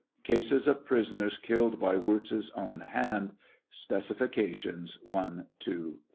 Cases of prisoners killed by Wirz's own hand (Specifications 1, 2, 3.)